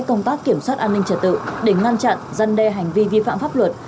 công tác kiểm soát an ninh trật tự để ngăn chặn dân đe hành vi vi phạm pháp luật